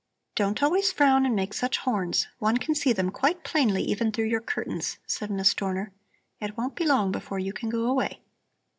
"Don't always frown and make such horns! One can see them quite plainly even through your curtains," said Miss Dorner. "It won't be long before you can go away."